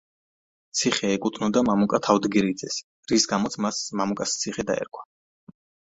ციხე ეკუთვნოდა მამუკა თავდგირიძეს, რის გამოც მას მამუკას ციხე დაერქვა.